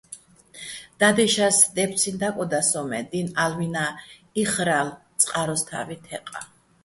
და́დეშას დეფცინო̆ დაკოდა სოჼ, მე დი́ნ ა́ლვინა́ იხრალო̆ წყაროსთა́ვი თე́ყაჼ.